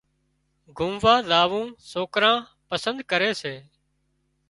گھمووا زاوون سوڪران پسندي ڪري سي